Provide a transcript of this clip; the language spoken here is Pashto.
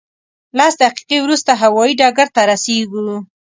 لس دقیقې وروسته هوایي ډګر ته رسېږو.